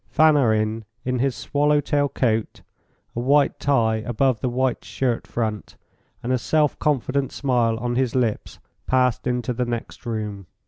Fanarin, in his swallow tail coat, a white tie above the white shirt front, and a self confident smile on his lips, passed into the next room.